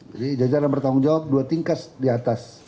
jadi jajaran bertanggung jawab dua tingkat di atas